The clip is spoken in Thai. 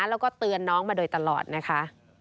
แล้วก็เตือนน้องมาโดยตลอดนะคะ